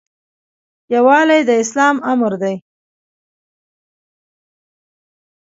یووالی د اسلام امر دی